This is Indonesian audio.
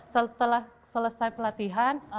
setelah selesai pelatihan